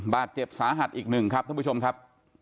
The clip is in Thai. บาดเจ็บสาหัสอีกหนึ่งครับท่านผู้ชมครับ